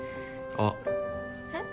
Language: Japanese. あっ。えっ？